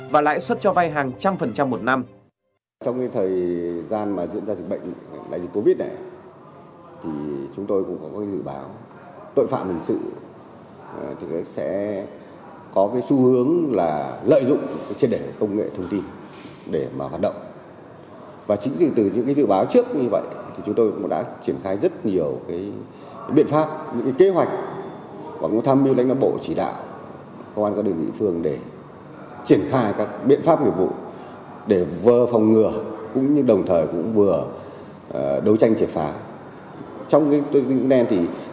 và lãi suất cho vay hàng trăm phần trăm